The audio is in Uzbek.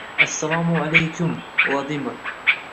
Assalomu alaykum, Vladimir.